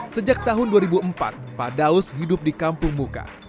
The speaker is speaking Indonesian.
sejak tahun dua ribu empat pak daus hidup di kampung muka